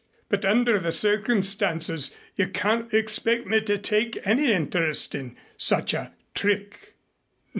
But under the circumstances you can't expect me to take any interest in such a trick."